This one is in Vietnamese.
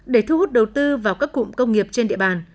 để thu hút đầu tư vào các cụm công nghiệp trên địa bàn